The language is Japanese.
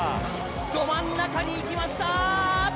ど真ん中に行きました。